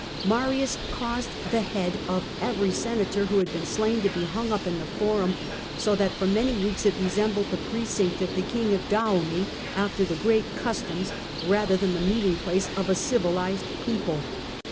Marius caused the head of every senator who had been slain to be hung up in the Forum, so that for many weeks it resembled the precinct of the king of Dahomey after the '' Great Customs," rather than the meeting place of a civilised people.